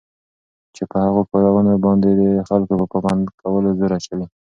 چې په هغو كارونو باندي دخلكوپه پابند كولو زور اچوي